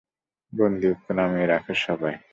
বন্দুক নামিয়ে রাখো, সবাই।